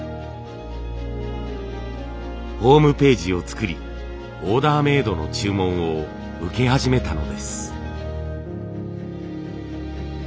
ホームページを作りオーダーメードの注文を受け始めたのです。